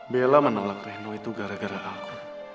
bella menolak penuh itu gara gara aku